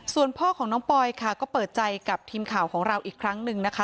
ส่วนพ่อของน้องปอยค่ะก็เปิดใจกับทีมข่าวของเราอีกครั้งหนึ่งนะคะ